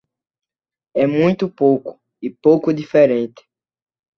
É muito pouco e pouco diferente.